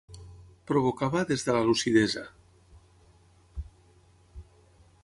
Provocava des de la lucidesa.